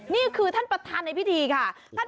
นี่คือท่านประธานในพิธีค่ะ